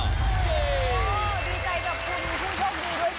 โอ้โหดีใจกับคุณ